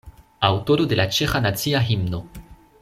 Aŭtoro de la ĉeĥa nacia himno.